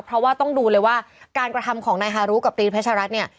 เพราะว่าต้องดูเลยว่าการกระทำของนายฮารุกับตีนเพชรัตน์เนี่ย